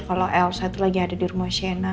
kalo elsa itu lagi ada di rumah sienna